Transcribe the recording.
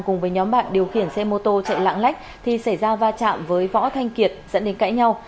cùng với nhóm bạn điều khiển xe mô tô chạy lạng lách thì xảy ra va chạm với võ thanh kiệt dẫn đến cãi nhau